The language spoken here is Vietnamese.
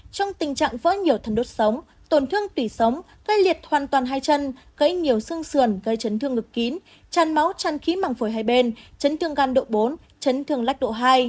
với nhiều thân đốt sống tổn thương tủy sống gây liệt hoàn toàn hai chân gây nhiều xương sườn gây chấn thương ngực kín chăn máu chăn khí mẳng phổi hai bên chấn thương gan độ bốn chấn thương lách độ hai